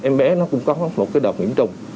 em bé nó cũng có một cái đợt nhiễm trùng